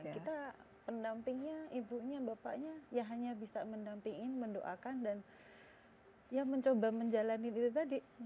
kita pendampingnya ibunya bapaknya ya hanya bisa mendampingin mendoakan dan ya mencoba menjalani itu tadi